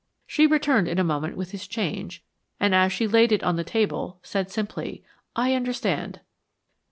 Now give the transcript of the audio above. She returned in a moment with his change, and as she laid it on the table, said simply, "I understand."